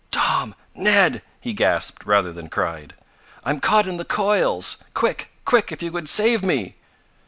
"Tom! Ned!" he gasped, rather than cried. "I'm caught in the coils! Quick quick if you would save me!"